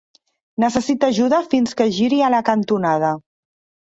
Necessita ajuda fins que giri a la cantonada.